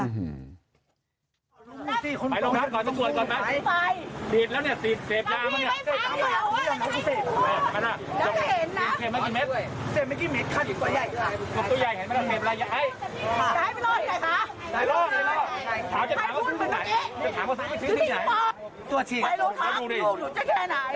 แม่ไม่มีเลย